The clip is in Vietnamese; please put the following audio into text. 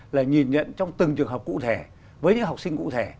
là nhìn nhận trong từng trường hợp cụ thể với những học sinh cụ thể